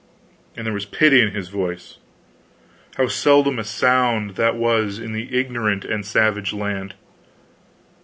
And there was pity in his voice how seldom a sound that was in that ignorant and savage land!